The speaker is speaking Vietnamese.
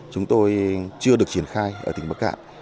chúng tôi chưa được triển khai ở tỉnh bắc cạn